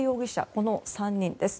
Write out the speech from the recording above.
この３人です。